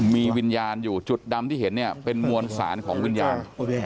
มีวิญญาณอยู่จุดดำที่เห็นเนี่ยเป็นมวลสารของวิญญาณ